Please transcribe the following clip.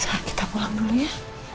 saat kita pulang dulu ya